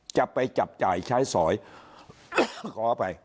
จะไปจับจ่ายใช้สอยขออภัย